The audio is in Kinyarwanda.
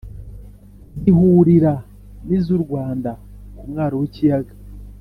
zihurira nizurwanda kumwaro wikiyaga